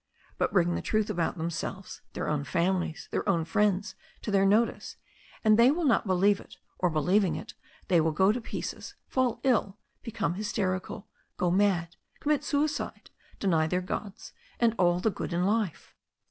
But bring the truth about themselves, their own families, their own friends, to their notice, and they will not believe it, or believing it, they will go to pieces, fall ill, become hys terical, go mad, commit suicide, deny their gods, and all the good in life."